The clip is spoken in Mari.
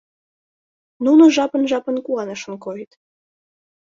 Нуно жапын-жапын куанышын койыт.